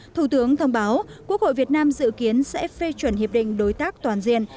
thủ tướng thông báo quốc hội việt nam dự kiến sẽ phê chuẩn hiệp định đối tác toàn diện